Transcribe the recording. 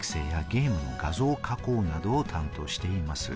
資料の作成やゲームの画像の加工などを担当しています。